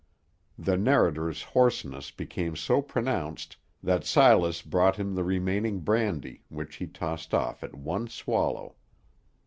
The narrator's hoarseness became so pronounced that Silas brought him the remaining brandy, which he tossed off at one swallow.